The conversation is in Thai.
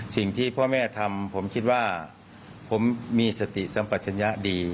สิ่งที่พ่อแม่ทำผมคิดว่าผมมีสติสัมปัชญะดี